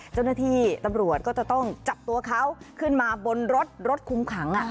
เจ้าหน้าที่ตำรวจก็จะต้องจับตัวเขาขึ้นมาบนรถรถคุมขัง